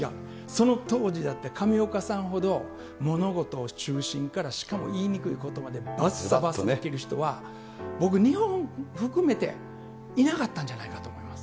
その当時だって、上岡さんほど、物事を中心からしかも言いにくいことまで、ばっさばっさと斬る人は、僕、日本含めて、いなかったんじゃないかと思います。